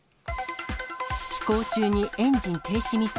飛行中にエンジン停止未遂。